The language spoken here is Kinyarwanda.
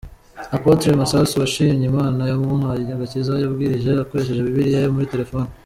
Apotre Masasu washimye Imana yamuhaye agakiza yabwirije akoresheje Bibiliya yo muri Terefone.